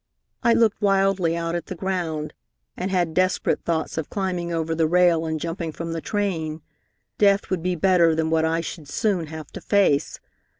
I looked wildly out at the ground and had desperate thoughts of climbing over the rail and jumping from the train. Death would be better than what I should soon have to face.